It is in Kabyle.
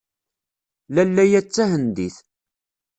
Lalla-a d tahendit.